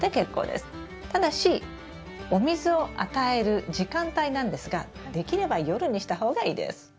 ただしお水を与える時間帯なんですができれば夜にした方がいいです。